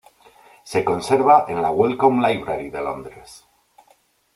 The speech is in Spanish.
Se conserva en la Wellcome Library de Londres.